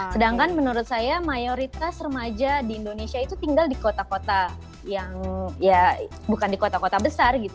sedangkan menurut saya mayoritas remaja di indonesia itu tinggal di kota kota yang ya bukan di kota kota besar gitu